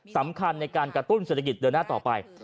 สำคัญในการกระตุ้นเศรษฐกิจเดินหน้าต่อไป